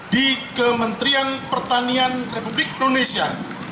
di kementerian pertanian republik indonesia